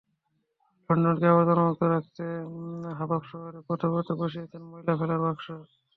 লন্ডনকে আবর্জনামুক্ত রাখতে হাবাব শহরের পথে পথে বসিয়েছে ময়লা ফেলার বাক্স।